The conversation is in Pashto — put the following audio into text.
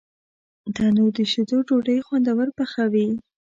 تنور د شیدو ډوډۍ خوندور پخوي